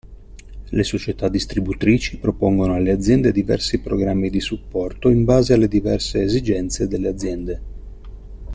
Le società distributrici propongono alle aziende diversi programmi di supporto in base alle diverse esigenze delle aziende.